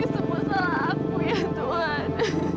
semua salah aku ya tuhan